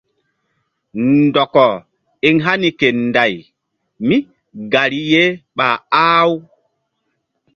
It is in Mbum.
Ndɔkɔ eŋ hani ke Nday mígari ye ɓa ah-u.